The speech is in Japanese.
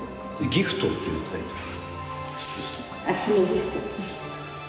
「ギフト」っていうタイトル。